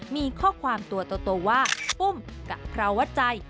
มีข้อความตัวว่าปุ้มกับคราววจัย